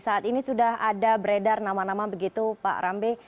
saat ini sudah ada beredar nama nama begitu pak rambe